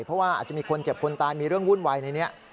เพราะว่าอาจจะมีคนเจ็บคนตายมีเรื่องวุ่นวายในนี้